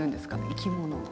生き物を。